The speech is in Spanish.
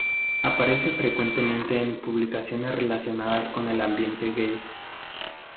Aparece frecuentemente en publicaciones relacionadas con el ambiente gay.